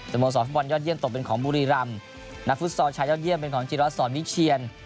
โมสรฟุตบอลยอดเยี่ยมตกเป็นของบุรีรำนักฟุตซอลชายยอดเยี่ยมเป็นของจิรัสสอนวิเชียน